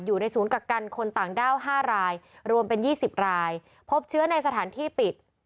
อยู่ในศูนย์กักกันคนต่างด้าว๕รายรวมเป็น๒๐รายพบเชื้อในสถานที่ปิด